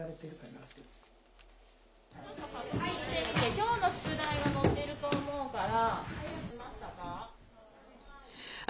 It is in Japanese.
きょうの宿題が載ってると思うから。